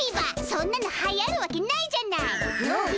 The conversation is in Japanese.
そんなのはやるわけないじゃないっ！